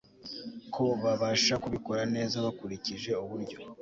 ko babasha kubikora neza bakurikije uburyo